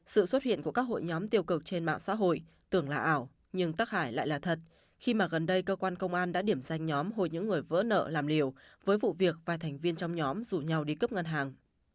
sự xuất hiện của các hội nhóm tiêu cực trên mạng xã hội tưởng là ảo nhưng tắc hải lại là thật khi mà gần đây cơ quan công an đã điểm danh nhóm hôi những người vỡ nợ làm liều với vụ việc vài thành viên trong nhóm rủ nhau đi cướp ngân hàng